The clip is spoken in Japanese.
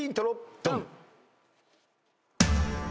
ドン！